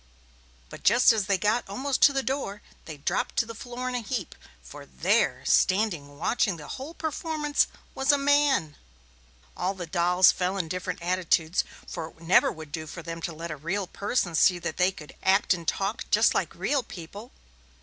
But just as they got almost to the door, they dropped to the floor in a heap, for there, standing watching the whole performance, was a man. All the dolls fell in different attitudes, for it would never do for them to let a real person see that they could act and talk just like real people.